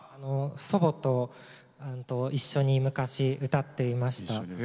祖母と一緒に昔歌っていました。